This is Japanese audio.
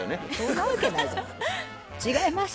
違います。